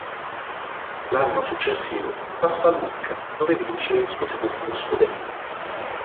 L'anno successivo passa a Lucca, dove vince il suo secondo scudetto.